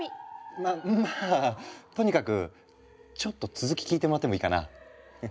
ままあとにかくちょっと続き聞いてもらってもいいかな？